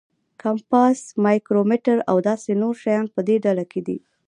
کمپاس، مایکرومیټر او داسې نور شیان په دې ډله کې دي.